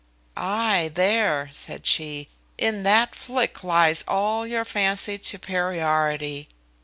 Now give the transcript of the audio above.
"Ay, there," said she, "in that flick lies all your fancied superiority.